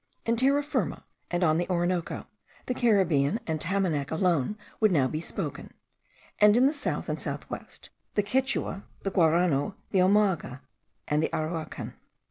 In Terra Firma and on the Orinoco, the Caribbean and the Tamanac alone would now be spoken; and in the south and south west, the Quichua, the Guarano, the Omagua, and the Araucan.